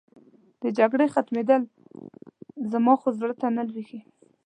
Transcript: د جګړې ختمېدل، زما خو زړه ته نه لوېږي.